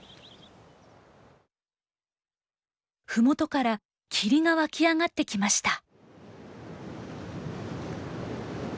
麓から霧が湧き上がってきました。